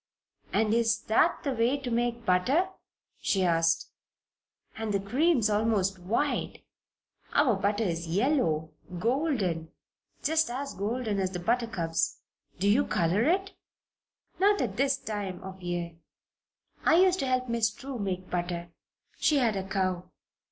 "And is that the way to make butter?" she asked. "And the cream's almost white. Our butter is yellow golden. Just as golden as the buttercups. Do you color it?" "Not at this time of year. I used to help Miss True make butter. She had a cow.